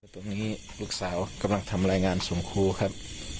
ตรงนี้ลูกสาวกำลังทำรายงานส่งครูครับ